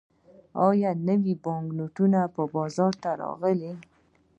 آیا نوي بانکنوټونه بازار ته راغلي؟